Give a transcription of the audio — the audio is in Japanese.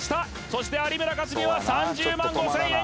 そして有村架純は３０万５０００円